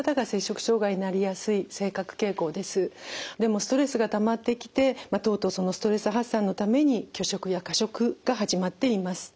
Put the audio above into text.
ストレスがたまってきてとうとうそのストレス発散のために拒食や過食が始まっています。